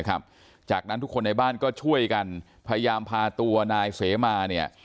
จากนั้นทุกคนในบ้านก็ช่วยกันพยายามพาตัวนายเสมาเนี่ย